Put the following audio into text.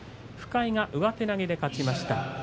深井は上手投げで勝ちました。